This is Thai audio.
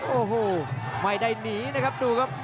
โอ้โหไม่ได้หนีนะครับดูครับ